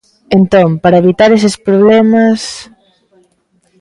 Entón, ¿para evitar eses problemas...?